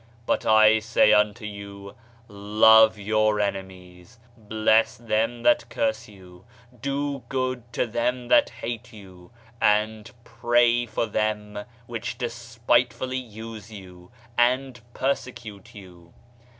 But I say unto you, Love your enemies, bless them that curse you, do good to them that hate you, and pray for them which de spitefully use you, and persecute you.